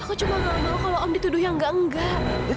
aku cuma gak mau kalau om dituduh yang enggak enggak